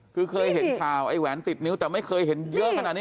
คือเคยเห็นข่าวไอ้แหวนติดนิ้วแต่ไม่เคยเห็นเยอะขนาดนี้